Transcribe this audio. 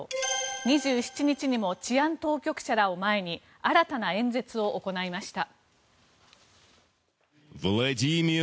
２７日にも治安当局者らを前に新たな演説を行いました。